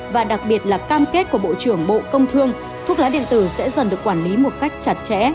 và đặc biệt là cam kết của bộ trưởng bộ công thương thuốc lá điện tử sẽ dần được quản lý một cách chặt chẽ